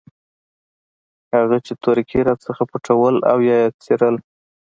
هغه چې تورکي راڅخه پټول او يا يې څيرل.